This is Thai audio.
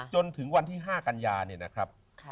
จนถึงวันที่๕กันยาเนี่ยนะครับ